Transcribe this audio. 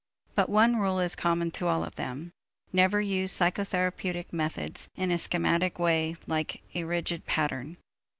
But one rule is common to all of them: never use psychotherapeutic methods in a schematic way like a rigid pattern.